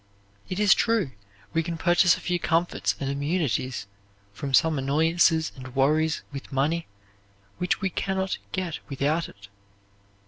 It is true, we can purchase a few comforts and immunities from some annoyances and worries with money which we can not get without it.